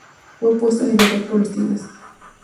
Fue puesto en Liberta por los tigres.